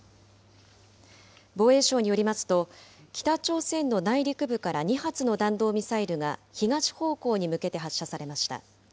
防衛省によりますと、北朝鮮の内陸部から２発の弾道ミサイルが東方向に向けて発射されました。